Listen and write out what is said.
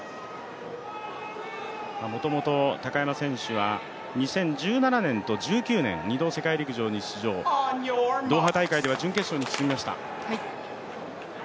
もともと高山選手は２０１７年と１９年、２度世界陸上に出場、ドーハ大会では準決勝に進みました。